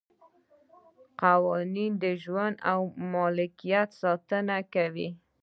قوانین د ژوند او ملکیت ساتنه کوي.